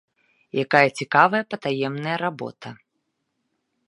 Якая цікавая патаемная работа!